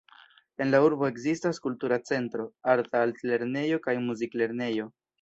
En la urbo ekzistas kultura centro, arta altlernejo kaj muziklernejo.